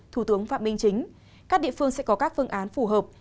thủ tướng phạm minh chính các địa phương sẽ có các phương án phù hợp